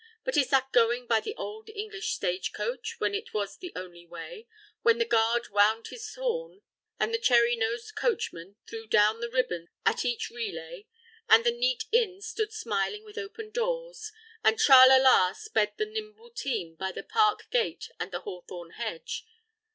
But is that going by the old English stage coach when it was the only way, when the guard wound his horn, and the cherry nosed coachman threw down the ribbons at each relay, and the neat inns stood smiling with open doors, and tra la la sped the nimble team by the park gate and the hawthorn hedge?